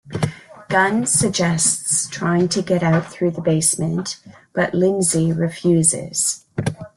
Gunn suggests trying to get out through the basement, but Lindsey refuses.